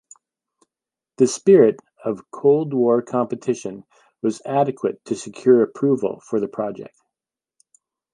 The spirit of cold war competition was adequate to secure approval for the project.